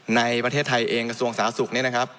ในประเทศไทยเองกระทรวงสาธารณสุขเนี่ยนะครับ